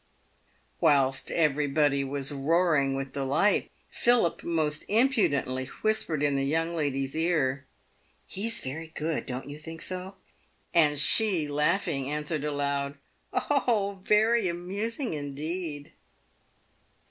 Whilst everybody was roaring with delight, Philip most impudently whispered in the young lady's ear, " He is very good, don't you think so ?" and she, laughing, answered aloud, " Oh, very amusing, indeed